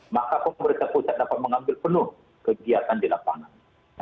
maka pemerintah pusat dapat mengambil penuh kegiatan di lapangan